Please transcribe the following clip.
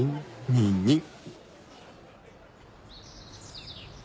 ニンニン。